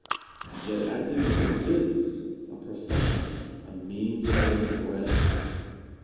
And yet acting is a business, a profession, a means of getting bread.